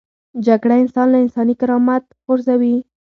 جګړه انسان له انساني کرامت غورځوي